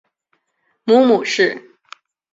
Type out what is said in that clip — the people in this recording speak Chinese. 母母氏。